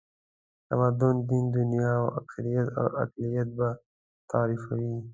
تمدن، دین، دنیا او اکثریت او اقلیت به تعریفوي.